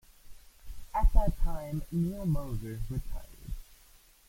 At that time Neal Moser retired.